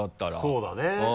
そうだね。